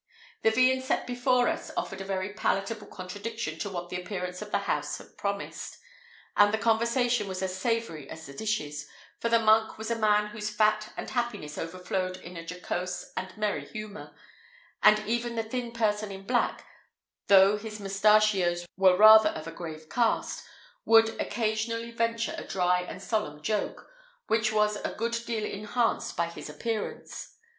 The viands set before us offered a very palatable contradiction to what the appearance of the house had promised: and the conversation was as savoury as the dishes, for the monk was a man whose fat and happiness overflowed in a jocose and merry humour; and even the thin person in black, though his mustachios were rather of a grave cast, would occasionally venture a dry and solemn joke, which was a good deal enhanced by his appearance.